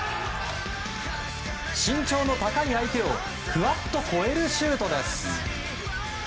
身長の高い相手をふわっと越えるシュートです。